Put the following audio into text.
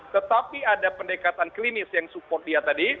tetapi ada pendekatan klinis yang support dia tadi